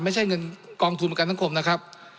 ไม่ใช่เงินกองทุนประกันสังคมนะครับ